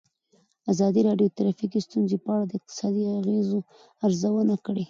ازادي راډیو د ټرافیکي ستونزې په اړه د اقتصادي اغېزو ارزونه کړې.